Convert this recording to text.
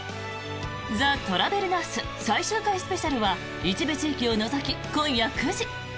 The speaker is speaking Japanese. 「ザ・トラベルナース」最終回スペシャルは一部地域を除き、今夜９時。